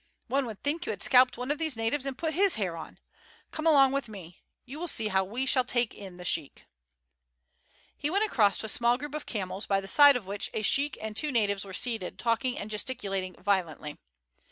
One would think you had scalped one of these natives and put his hair on. Come along with me. You will see how we shall take in the sheik." He went across to a small group of camels by the side of which a sheik and two natives were seated talking and gesticulating violently.